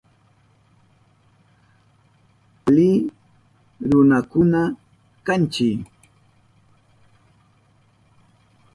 Ali runakuna kanchi.